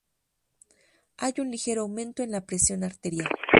Hay un ligero aumento en la presión arterial.